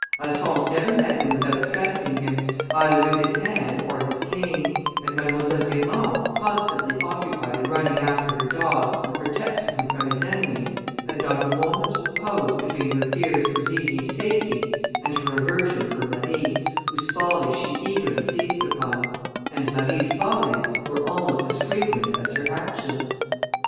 Alphonse never met him without threatening him, either with his hand or his cane, and Mademoiselle Raymond, constantly occupied in running after her dog, and protecting him from his enemies, had not a moment's repose between her fears for Zizi's safety and her aversion for Marie, whose follies she eagerly seized upon; and Marie's follies were almost as frequent as her actions.